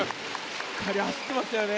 しっかり走っていますよね